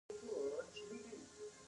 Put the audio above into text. هغه هلته له هر ډول ملاتړ پرته وي.